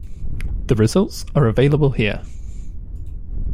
The results are available here.